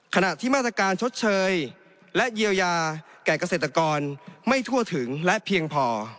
ขณะที่มาตรการชดเชยและเยียวยาแก่เกษตรกรไม่ทั่วถึงและเพียงพอ